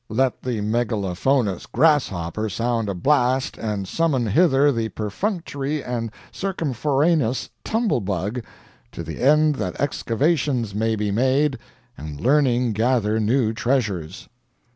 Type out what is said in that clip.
Let the megalophonous grasshopper sound a blast and summon hither the perfunctory and circumforaneous Tumble Bug, to the end that excavations may be made and learning gather new treasures."